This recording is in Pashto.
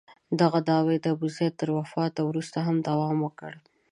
دغه دعوې د ابوزید تر وفات وروسته هم دوام وکړ.